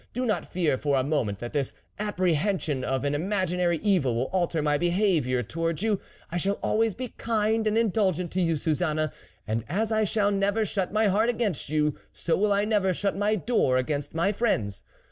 Do not fear for a moment that this apprehension of an imaginary evil will alter my behaviour towards you. I shall always be kind and indulgent to you, Suzanne, and as I shall never shut my heart against you, so will I never shut my door against my friends.